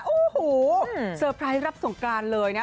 โอ้โหเซอร์ไพรส์รับสงกรานเลยนะ